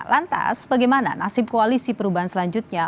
lantas bagaimana nasib koalisi perubahan selanjutnya